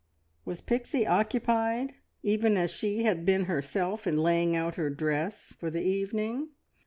Was Pixie occupied even as she had been herself in laying out her dress for the evening?